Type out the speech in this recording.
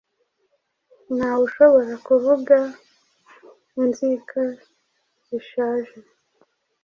Ntawe ushobora kuvuga inzika zishaje